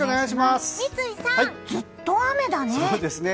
三井さん、ずっと雨だね。